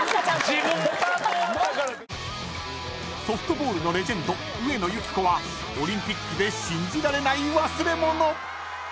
［ソフトボールのレジェンド上野由岐子はオリンピックで信じられない忘れ物］